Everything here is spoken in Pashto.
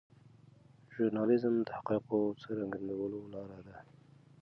ژورنالیزم د حقایقو څرګندولو لاره ده.